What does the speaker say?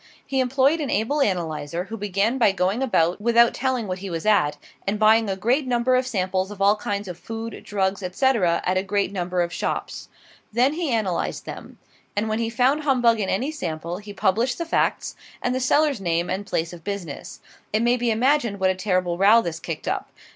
He employed an able analyzer, who began by going about without telling what he was at; and buying a great number of samples of all kinds of food, drugs, etc., at a great number of shops. Then he analyzed them; and when he found humbug in any sample, he published the facts, and the seller's name and place of business. It may be imagined what a terrible row this kicked up.